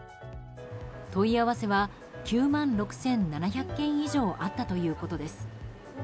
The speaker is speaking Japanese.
問い合わせは９万６７００件以上あったということです。